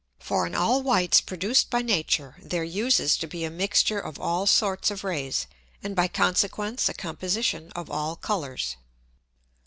For in all whites produced by Nature, there uses to be a mixture of all sorts of Rays, and by consequence a composition of all Colours.